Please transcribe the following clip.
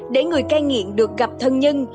để người cai nghiện được gặp thân nhân